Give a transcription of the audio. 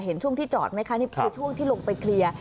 ช่วงที่จอดไหมคะนี่คือช่วงที่ลงไปเคลียร์